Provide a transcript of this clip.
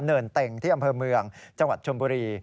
เนินเต็งที่อำเภอเมืองจังหวัดชมบุรี